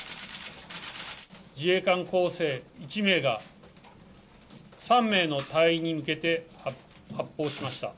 自衛官候補生１名が、３名の隊員に向けて発砲しました。